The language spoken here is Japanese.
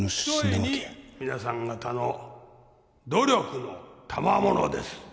・みなさん方の努力のたまものです